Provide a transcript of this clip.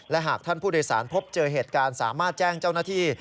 และหากท่านผู้โดยสารพบเจอเหตุการณ์สามารถแจ้งเจ้าหน้าที่